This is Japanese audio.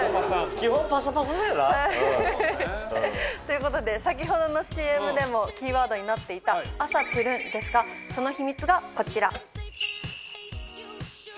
基本パサパサだよな。ということで先ほどのＣＭでもキーワードになっていた「朝トゥルン」ですがその秘密がこちら。